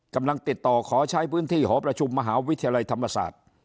กำลังติดต่อขอใช้พื้นที่หอประชุมมหาวิทยาลัยธรรมศาสตร์